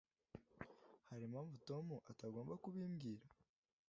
Hari impamvu Tom atagomba kubwirwa?